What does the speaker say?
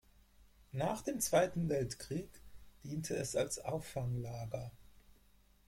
Nach dem Zweiten Weltkrieg diente es als Auffanglager.